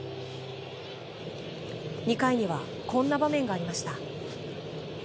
２回にはこんな場面がありました。